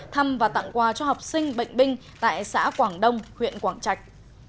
thăm và tặng quà cho học sinh bệnh binh tại xã quảng đông huyện quảng trạch